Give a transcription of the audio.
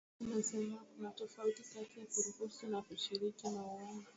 harff anasema kuna tofauti kati ya kuruhusu na kushiriki mauaji